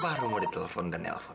baru mau ditelepon dan nelfon